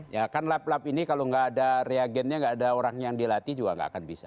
ya kan lab lab ini kalau nggak ada reagennya nggak ada orang yang dilatih juga nggak akan bisa